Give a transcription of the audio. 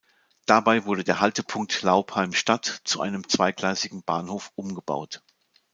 Dabei wurde der Haltepunkt Laupheim Stadt zu einem zweigleisigen Bahnhof umgebaut.